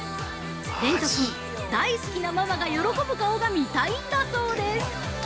蓮人君、大好きなママが喜ぶ顔が見たいんだそうです！